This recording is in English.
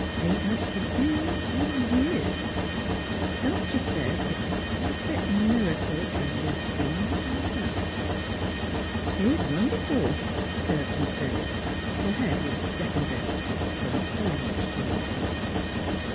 Ain't had fer years an' years; the doctor says it's a per fee' mericle I've lived 's long 's I have." " 'Tis wonderful," chirped Miss Bennett, her head, with its second best false front, very much to one side.